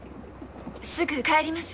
すぐ帰ります。